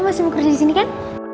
lo masih mau kerja disini kan